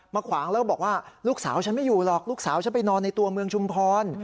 ขวางแล้วบอกว่าลูกสาวฉันไม่อยู่หรอกลูกสาวฉันไปนอนในตัวเมืองชุมพร